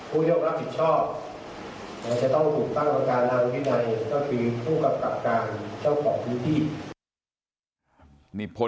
ผู้ยกรับผิดชอบจะต้องถูกตั้งตอนการนำให้ใดฉุกกากกับการเช่าปลอดภูนิพ้า